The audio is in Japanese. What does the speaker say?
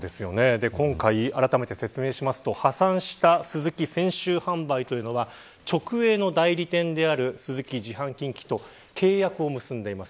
今回、あらためて説明しますと破産したスズキ泉州販売というのは直営の代理店であるスズキ自販近畿と契約を結んでいます。